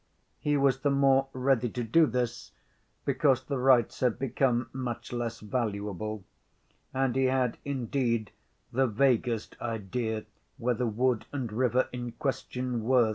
He was the more ready to do this because the rights had become much less valuable, and he had indeed the vaguest idea where the wood and river in question were.